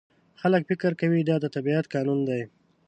خلک فکر کوي دا د طبیعت قانون دی.